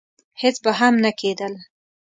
هېڅ به هم نه کېدل.